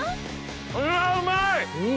うわうまい！